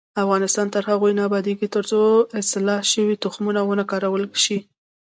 افغانستان تر هغو نه ابادیږي، ترڅو اصلاح شوي تخمونه ونه کارول شي.